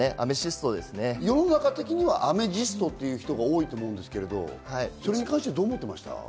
世の中的にはアメジストっていう人が多いと思うんですけど、それに関してはどう思ってました？